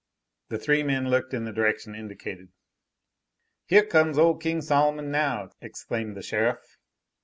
The three men looked in the direction indicated. "Heah comes ole King Sol'mon now," exclaimed the sheriff.